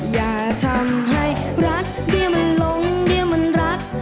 อย่าทำให้รักเบี้ยมันลงเดียมันรัก